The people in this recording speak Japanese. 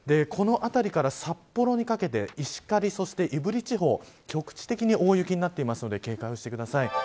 この辺りから札幌にかけて石狩そして胆振地方局地的に大雪になってるので警戒してください。